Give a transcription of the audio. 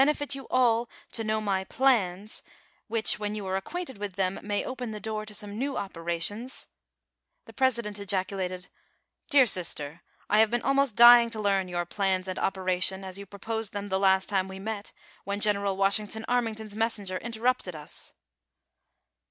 u fit ynu all to know my 48 THE SOCIAL WAR OF 1900; OR, '■ 2'>lans^^ which, wlien you are acquainted with them, may open the door to some new operations "— The president ejaculated : "Dear sister, I have been al most dying to learn your 'plans and operations,' as you proposed them the last time we met, when General Wash ington Armington's messenger interrupted us."